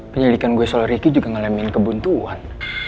penyelidikan gue soal ricky juga ngalamin kebuntuan